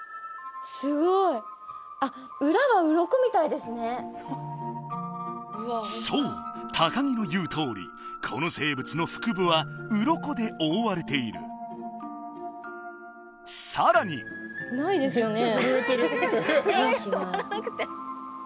すごいあっそう高城の言うとおりこの生物の腹部は鱗で覆われているさらにないですよね